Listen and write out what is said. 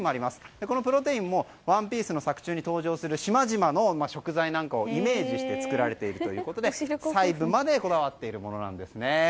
このプロテインも「ＯＮＥＰＩＥＣＥ」の作中に登場する島々の食材なんかをイメージして作られているということで細部までこだわっているということです。